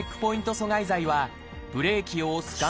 阻害剤はブレーキを押すがん